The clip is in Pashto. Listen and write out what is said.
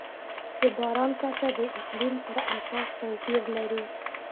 د باران کچه د اقلیم پر اساس توپیر لري.